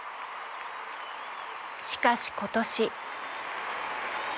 しかし今年。